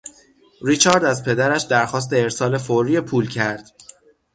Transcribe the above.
ریچارد از پدرش درخواست ارسال فوری پول کرد.